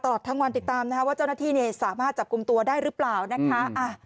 ตลอดทั้งวันติดตามนะคะว่าเจ้าหน้าที่สามารถจับกลุ่มตัวได้หรือเปล่านะคะ